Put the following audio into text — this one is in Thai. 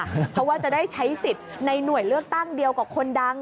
เพราะว่าจะได้ใช้สิทธิ์ในหน่วยเลือกตั้งเดียวกับคนดัง